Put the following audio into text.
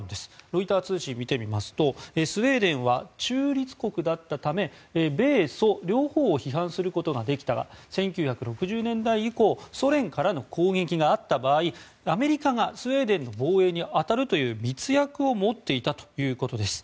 ロイター通信を見てみますとスウェーデンは中立国だったため米ソ両方を批判することができたが１９６０年代以降ソ連からの攻撃があった場合アメリカがスウェーデンの防衛に当たるという密約を持っていたということです。